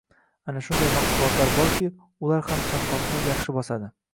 Yana shunday mahsulotlar borki, ular ham chanqoqni yaxshi bosadi.